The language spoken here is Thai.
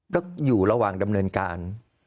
ก็อยู่ระหว่างดำเนินการ